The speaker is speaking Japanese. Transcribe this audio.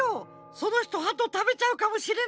そのひとハトたべちゃうかもしれないじゃない！